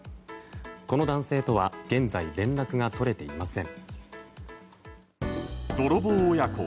この男性とは現在連絡が取れていません。